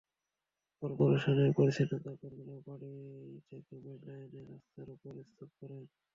করপোরেশনের পরিচ্ছন্নতাকর্মীরাও বাড়ি বাড়ি থেকে ময়লা এনে রাস্তার ওপর স্তূপ করেন।